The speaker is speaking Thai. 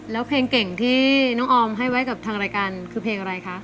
แล้วเพลงเก่งที่น้องออมให้ไว้กับทางรายการคือเพลงอะไรคะ